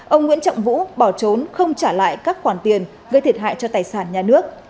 ông nguyễn trọng vũ bỏ trốn không trả lại các khoản tiền gây thiệt hại cho tài sản nhà nước